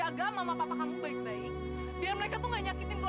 aku tuh capek kalau aku harus nyakitin semua